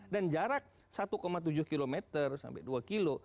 dan jarak satu tujuh kilometer sampai dua kilo